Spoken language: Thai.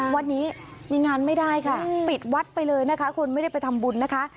วัดนี้มีงานไม่ได้ค่ะปิดวัดไปเลยนะคะคนไม่ได้ไปทำบุญนะคะ